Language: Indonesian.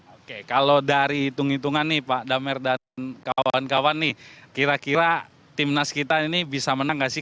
oke kalau dari hitung hitungan nih pak damer dan kawan kawan nih kira kira timnas kita ini bisa menang gak sih